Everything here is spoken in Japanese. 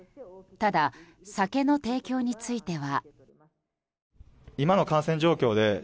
ただ、酒の提供については。